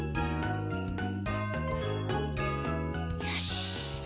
よし。